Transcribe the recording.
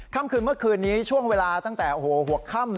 ค่ำคืนเมื่อคืนนี้ช่วงเวลาตั้งแต่หัวค่ำ